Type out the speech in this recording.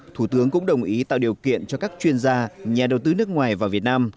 thủ tướng cũng đồng ý tạo điều kiện cho các chuyên gia nhà đầu tư nước ngoài và việt nam